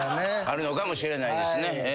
あるのかもしれないですね。